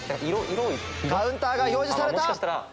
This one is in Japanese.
カウンターが表示された！